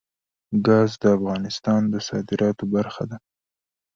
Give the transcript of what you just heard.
ګاز د افغانستان د صادراتو برخه ده.